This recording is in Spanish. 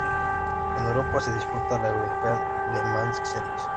En Europa se disputa la European Le Mans Series.